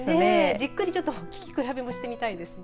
じっくりちょっと聞き比べもしてみたいですね。